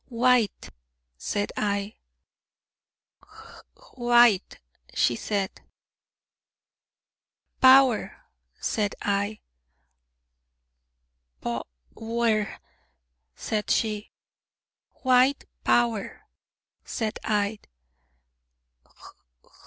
"White," said I. "Hwhite," said she. 'Power,' said I. 'Pow wer,' said she. 'White Power,' said I.